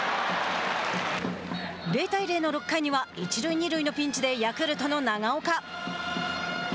０対０の６回には一塁二塁のピンチでヤクルトの長岡。